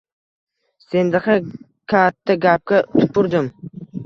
Sendaqa kattagapga tupurdim